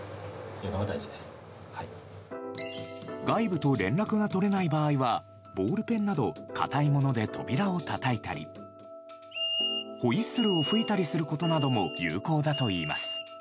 外部と連絡が取れない場合はボールペンなど硬いもので扉をたたいたりホイッスルを吹いたりすることなども有効だといいます。